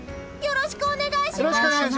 よろしくお願いします！